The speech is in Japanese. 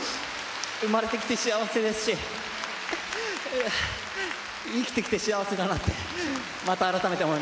生まれてきて幸せですし生きてきて幸せだなってまた改めて思いました。